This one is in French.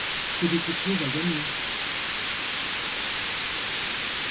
Celui qui trouve a gagné.